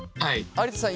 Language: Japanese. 有田さん